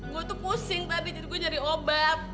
gue tuh pusing tadi jadi gue nyari obat